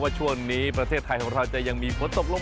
ว่าช่วงนี้ประเทศไทยเราจึงยังมีผลตกลง